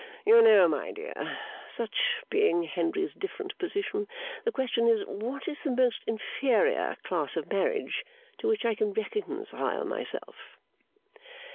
You know, my dear. Such being Henry's different position, the question is what is the most inferior class of marriage to which I can reconcile myself.